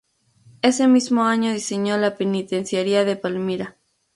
Ese mismo año diseñó la Penitenciaría de Palmira.